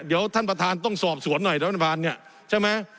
เดี๋ยวท่านประธานต้องสอบสวนหน่อยท่านประธานเนี่ยใช่ไหม